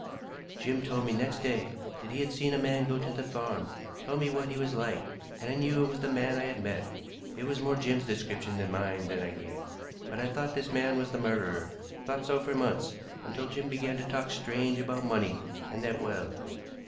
"Jim told me next day that he had seen a man go to the farm, told me what he was like, and I knew it was the man I had met. It was more Jim's description than mine that I gave. But I thought this man was the murderer, thought so for months, until Jim began to talk strange about money and that well.